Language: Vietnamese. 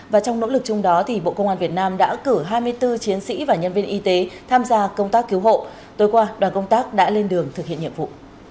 và trong nỗ lực chung đó bộ công an việt nam đã cử hai mươi bốn chiến sĩ và nhân viên y tế tham gia công tác cứu hộ tối qua đoàn công tác đã lên đường thực hiện nhiệm vụ